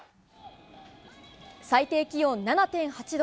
最低気温７．８度。